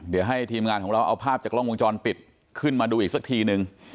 เดี๋ยวให้ทีมงานของเราเอาภาพจากกล้องวงจรปิดขึ้นมาดูอีกสักทีนึง